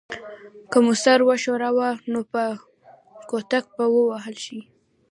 که مو سر وښوراوه نو په کوتک به ووهل شئ.